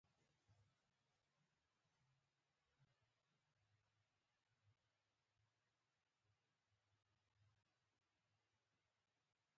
ازادي راډیو د مالي پالیسي د راتلونکې په اړه وړاندوینې کړې.